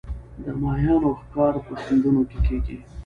د ماهیانو ښکار په سیندونو کې کیږي